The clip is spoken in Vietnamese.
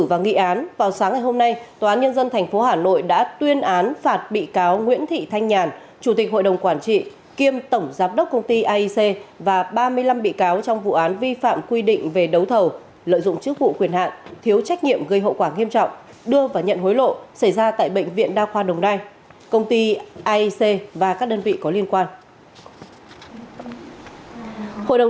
và nghị án vào sáng ngày hôm nay tòa án nhân dân tp hà nội đã tuyên án phạt bị cáo nguyễn thị thanh nhàn chủ tịch hội đồng quản trị kiêm tổng giám đốc công ty aic và ba mươi năm bị cáo trong vụ án vi phạm quy định về đấu thầu lợi dụng chức vụ quyền hạn thiếu trách nhiệm gây hậu quả nghiêm trọng đưa và nhận hối lộ xảy ra tại bệnh viện đa khoa đồng nai công ty aic và các đơn vị có liên quan